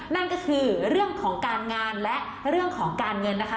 นั่นก็คือเรื่องของการงานและเรื่องของการเงินนะคะ